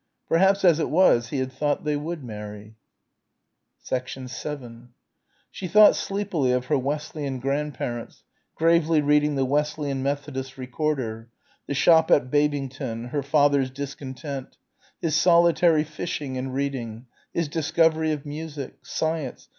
Perhaps as it was he had thought they would marry. 7 She thought sleepily of her Wesleyan grandparents, gravely reading the "Wesleyan Methodist Recorder," the shop at Babington, her father's discontent, his solitary fishing and reading, his discovery of music ... science